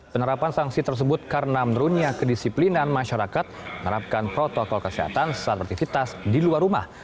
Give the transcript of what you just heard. penerapan sanksi tersebut karena menurunnya kedisiplinan masyarakat menerapkan protokol kesehatan saat beraktivitas di luar rumah